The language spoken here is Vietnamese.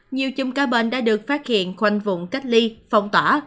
nhiều chùm ca bệnh đã được phát hiện quanh vùng cách ly phòng tỏa